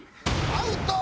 アウト！